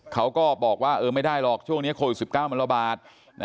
เขาก็บอกว่าไม่ได้หรอกช่วงนี้โควิด๑๙มันระบาด